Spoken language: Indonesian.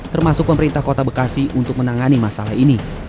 termasuk pemerintah kota bekasi untuk menangani masalah ini